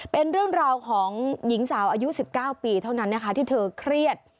เป็นเรื่องราวของหญิงสาวอายุ๑๙ปีเท่านั้นนะคะที่เธอเครียด